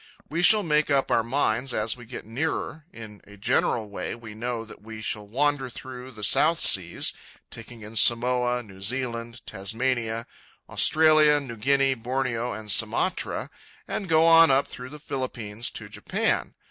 We shall make up our minds as we get nearer, in a general way we know that we shall wander through the South Seas, take in Samoa, New Zealand, Tasmania, Australia, New Guinea, Borneo, and Sumatra, and go on up through the Philippines to Japan.